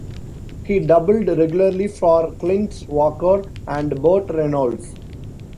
He doubled regularly for Clint Walker and Burt Reynolds.